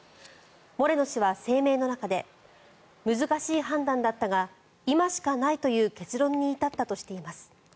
モレノ氏は、声明の中で難しい判断だったが今しかないという結論に至ったとしています。